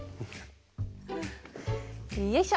よいしょ。